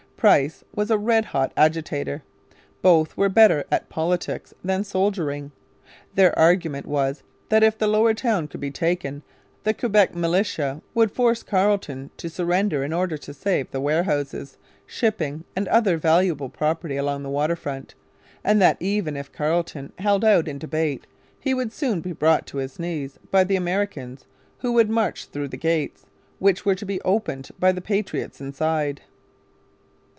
Price was a red hot agitator. Both were better at politics than soldiering. Their argument was that if the Lower Town could be taken the Quebec militia would force Carleton to surrender in order to save the warehouses, shipping, and other valuable property along the waterfront, and that even if Carleton held out in debate he would soon be brought to his knees by the Americans, who would march through the gates, which were to be opened by the 'patriots' inside.